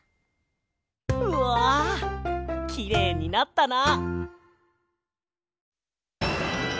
うわきれいになったな！